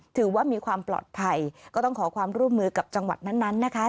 ถือว่ามีความปลอดภัยก็ต้องขอความร่วมมือกับจังหวัดนั้นนะคะ